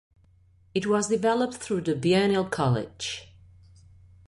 It was developed through the Biennale College.